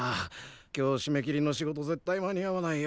今日しめ切りの仕事絶対間に合わないよ。